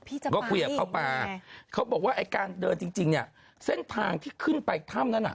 ก็คุยกับเขามาเขาบอกว่าไอ้การเดินจริงเนี่ยเส้นทางที่ขึ้นไปถ้ำนั้นอ่ะ